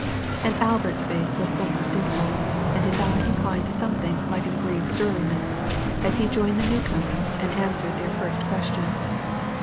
And Albert's face was somewhat dismal, and his eye inclined to something like an aggrieved surliness, as he joined the new comers and answered their first question.